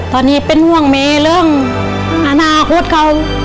ตอนนี้เป็นห่วงแม่เรื่องอนาคตเขา